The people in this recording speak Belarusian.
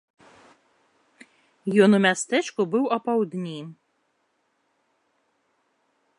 Ён у мястэчку быў апаўдні.